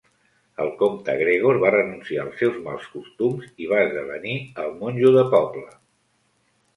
El comte Gregor va renunciar als seus mals costums i va esdevenir el monjo de poble.